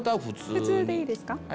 普通でいいですか？